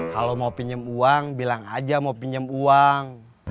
kalau mau pinjem uang bilang aja mau pinjem uang